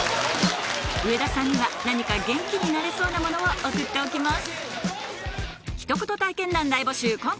上田さんには何か元気になれそうなものを送っておきます